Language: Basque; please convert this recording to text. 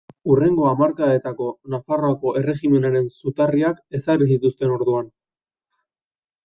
Hurrengo hamarkadetako Nafarroako erregimenaren zutarriak ezarri zituzten orduan.